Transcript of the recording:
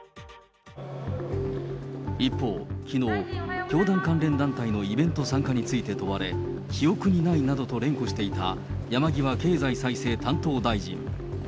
一方、きのう、教団関連団体のイベント参加について問われ、記憶にないなどと連呼していた山際経済再生担当大臣。